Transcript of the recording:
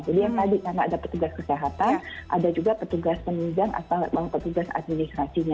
jadi yang tadi karena ada petugas kesehatan ada juga petugas penunjang atau petugas administrasinya